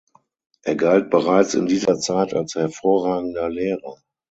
Er galt bereits in dieser Zeit als hervorragender Lehrer.